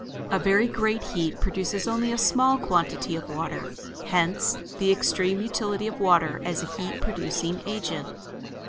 A very great heat produces only a small quantity of water: hence the extreme utility of water as a heat producing agent.